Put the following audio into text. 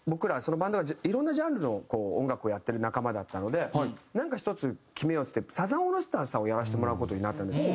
そのバンドはいろんなジャンルの音楽をやってる仲間だったのでなんか１つ決めようっつってサザンオールスターズさんをやらせてもらう事になった。